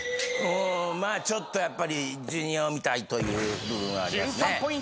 まあちょっとやっぱりジュニアを見たいという部分はありますね。